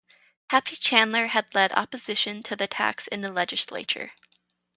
"Happy" Chandler had led opposition to the tax in the legislature.